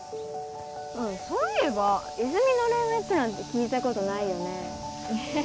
そういえば泉の恋愛プランって聞いたことないよねえっ？